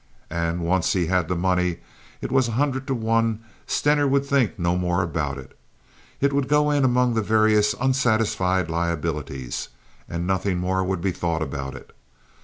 And, once he had the money, it was a hundred to one Stener would think no more about it. It would go in among the various unsatisfied liabilities, and nothing more would be thought about it.